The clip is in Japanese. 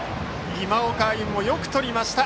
今岡歩夢もよくとりました。